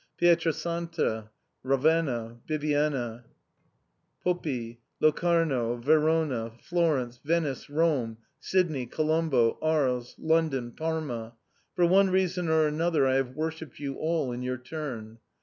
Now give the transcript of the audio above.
Pietra Santa, Ravenna, Bibbiena, Poppi, Locarno, Verona, Florence, Venice, Rome, Sydney, Colombo, Arles, London, Parma, for one reason or another I have worshipped you all in your turn!